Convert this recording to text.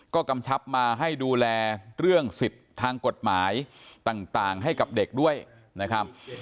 ก็กำชับมาให้ดูแลเรื่องสิทธิ์ทางกฎหมายต่างให้กับเด็กด้วยนะครับ